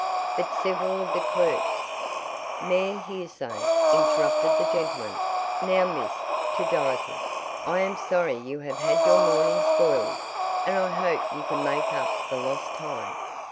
"But several of the clerks " "Mere hearsay," interrupted the gentleman. "Now, miss," to Dorothy, "I am sorry you have had your morning spoiled, and I hope you can make up the lost time."